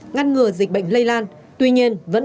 ngăn ngừa dịch bệnh lây lan